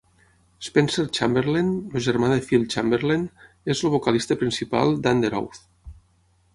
Spencer Chamberlain, el germà de Phil Chamberlain, és el vocalista principal d'Underoath.